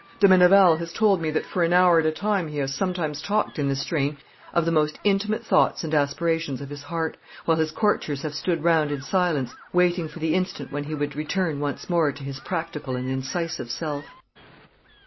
De Meneval has told me that for an hour at a time he has sometimes talked in this strain of the most intimate thoughts and aspirations of his heart, while his courtiers have stood round in silence waiting for the instant when he would return once more to his practical and incisive self.